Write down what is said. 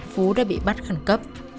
phú đã bị bắt khẩn cấp